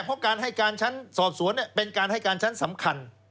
เพราะการให้การชั้นสอบสวนเป็นการให้การชั้นสำคัญ